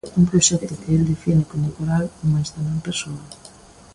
Un proxecto que el define como "coral" mais tamén "persoal".